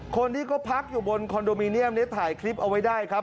คนที่เขาพักอยู่บนคอนโดมิเนียมนี้ถ่ายคลิปเอาไว้ได้ครับ